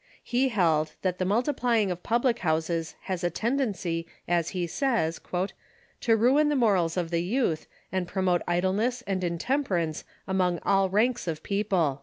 He held that the multiplying of public houses has a tendency, as he says, "to ruin the morals of the youth, and promote idleness and intemperance among all ranks of people."